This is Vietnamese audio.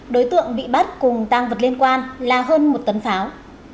đối tượng bị bắt cùng tăng vật liên quan là hơn một tấn pháo